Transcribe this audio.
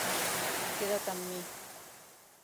Queda't amb mi.